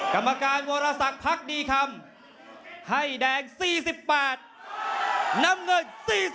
กรรมการวรสักพักดีคำให้แดง๔๘น้ำเงิน๔๐